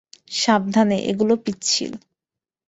সাবধানে, এগুলো পিচ্ছিল।